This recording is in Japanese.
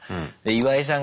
岩井さん